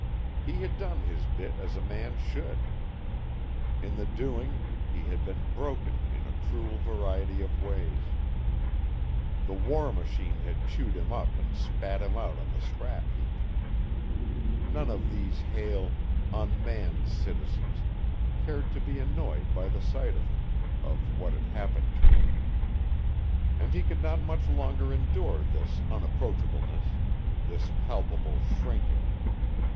He had done his bit as a man should. In the doing he had been broken in a cruel variety of ways. The war machine had chewed him up and spat him out on the scrap heap. None of these hale, unmanned citizens cared to be annoyed by the sight of him, of what had happened to him. And he could not much longer endure this unapproachableness, this palpable shrinking.